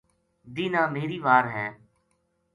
دینہا میری وار ہے